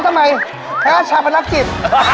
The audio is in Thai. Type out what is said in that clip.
รอทำไมแพ้ชาปนักจิต